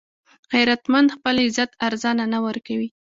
غیرتمند خپل عزت ارزانه نه ورکوي